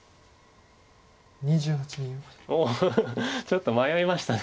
ちょっと迷いました。